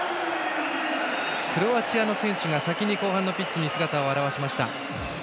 クロアチアの選手が先に後半のピッチに姿を現しました。